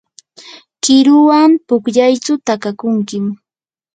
qiruwan pukllaychu takakunkim.